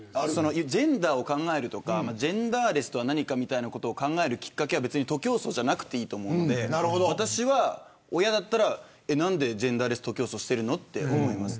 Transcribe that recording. ジェンダーを考えるとかジェンダーレスとは何かを考えるきっかけは徒競走じゃなくていいと思うので私は親だったらなんでジェンダーレス徒競走しているのって思います。